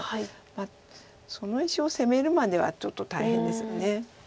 その石を攻めるまではちょっと大変ですよね。